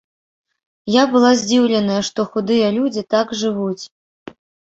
Я была здзіўленая, што худыя людзі так жывуць.